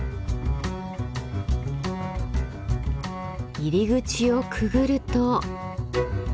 入り口をくぐると。